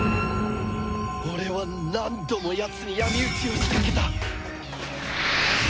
俺は何度もやつに闇討ちを仕掛けた。